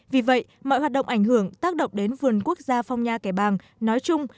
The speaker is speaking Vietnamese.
vì vậy mọi hoạt động ảnh hưởng tác động đến vườn quốc gia phong nha kẻ bàng nói chung